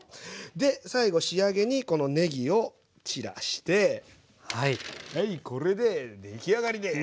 で最後仕上げにこのねぎを散らしてはいこれで出来上がりです。